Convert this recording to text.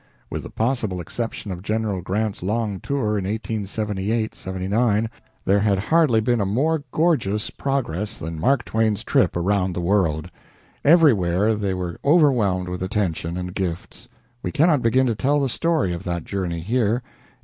With the possible exception of General Grant's long tour in 1878 9 there had hardly been a more gorgeous progress than Mark Twain's trip around the world. Everywhere they were overwhelmed with attention and gifts. We cannot begin to tell the story of that journey here.